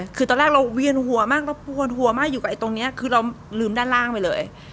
คือตอนแรกเราเวียนหัวมากเราปวดหัวมากอยู่กับไอ้ตรงนี้คือเราลืมด้านล่างไปเลย